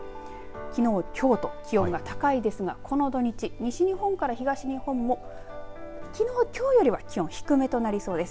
きのう、きょうと気温が高いですが、この土日西日本から東日本もきのう、きょうよりは気温低めとなりそうです。